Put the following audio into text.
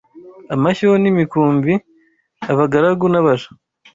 amashyo n’imikumbi abagaragu n’abaja